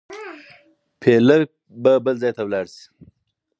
فېلېپ به بل ځای ته ولاړ شي.